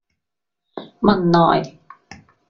汶萊